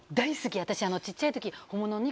私小っちゃい時。